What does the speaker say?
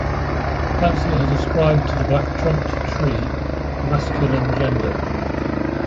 Fancy has ascribed to the black-trunked tree a masculine gender.